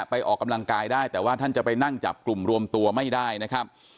ออกกำลังกายได้แต่ว่าท่านจะไปนั่งจับกลุ่มรวมตัวไม่ได้นะครับ